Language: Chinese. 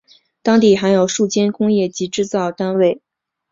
当地还有数间工业及制造单位。